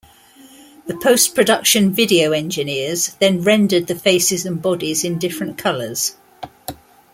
The post-production video engineers then rendered the faces and bodies in different colors.